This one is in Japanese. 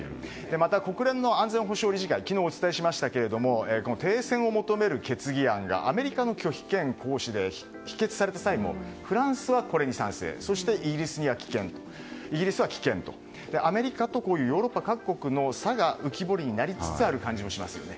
また、国連の安全保障理事会では昨日、お伝えしましたが停戦を求める決議案がアメリカの拒否権行使で否決された際もフランスはこれに賛成そしてイギリスは棄権とアメリカとヨーロッパ各国の差が浮き彫りになりつつある感じもしますよね。